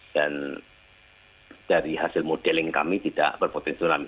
dan dari hasil modeling kami tidak berpotensi tsunami